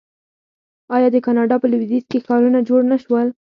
آیا د کاناډا په لویدیځ کې ښارونه جوړ نشول؟